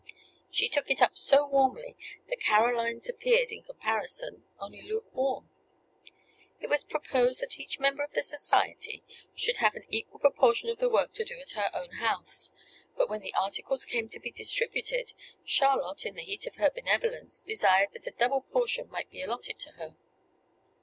She took it up so warmly that Caroline's appeared, in comparison, only lukewarm. It was proposed that each member of the society should have an equal proportion of the work to do at her own house; but when the articles came to be distributed, Charlotte, in the heat of her benevolence, desired that a double portion might be allotted to her.